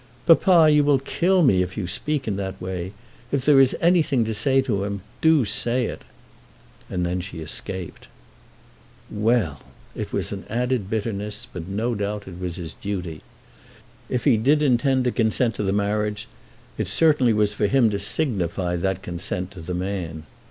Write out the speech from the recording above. "Papa, you will kill me if you speak in that way! If there is anything to say to him, do you say it." And then she escaped. Well! It was an added bitterness, but no doubt it was his duty. If he did intend to consent to the marriage, it certainly was for him to signify that consent to the man.